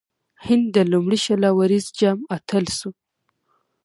هند د لومړي شل اووريز جام اتل سو.